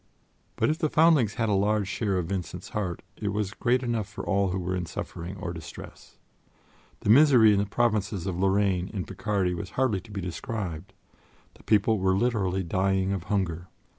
But if the foundlings had a large share of Vincent's heart, it was great enough for all who were in suffering or distress. The misery in the provinces of Lorraine and Picardy was hardly to be described; the people were literally dying of hunger.